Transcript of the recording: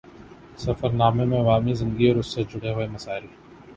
سفر نامے میں عوامی زندگی اور اُس سے جڑے ہوئے مسائل